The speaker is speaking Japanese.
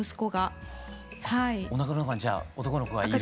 あおなかの中にじゃあ男の子がいる時。